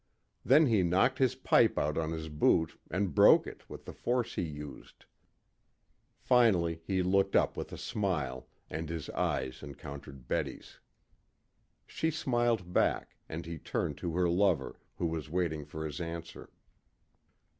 Then he knocked his pipe out on his boot, and broke it with the force he used. Finally he looked up with a smile, and his eyes encountered Betty's. She smiled back, and he turned to her lover, who was waiting for his answer.